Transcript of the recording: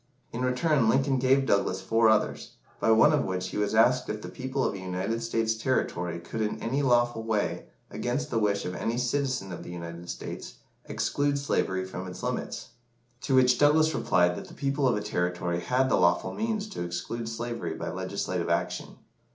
In return, Lincoln gave Douglas four others, by one of which he was asked if the people of a United States territory could in any lawful way, against the wish of any citizen of the United States, exclude slavery from its limits? To which Douglas replied that the people of a territory had the lawful means to exclude slavery by legislative action.